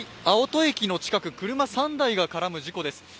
青砥駅の近く、車３台が絡む事故です。